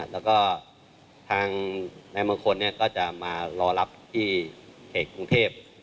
แล้วก็ทางนายมงคลก็จะมารอรับที่เขตกรุงเทพ